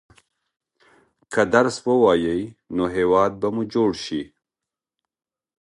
که درس ووايئ نو هېواد به مو جوړ شي.